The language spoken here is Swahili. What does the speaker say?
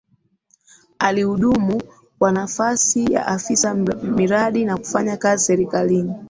Alihudumu kwa nafasi ya Afisa Miradi na kufanya kazi Serikalini